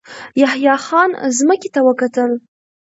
يحيی خان ځمکې ته وکتل.